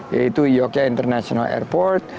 yaitu yogyakarta international airport